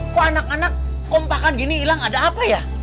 kok anak anak kompakan gini hilang ada apa ya